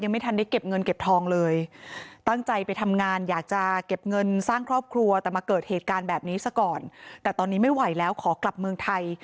แบบนี้สักก่อนแต่ตอนนี้ไม่ไหวแล้วขอกลับเมืองไทย